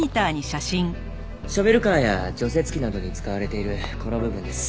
ショベルカーや除雪機などに使われているこの部分です。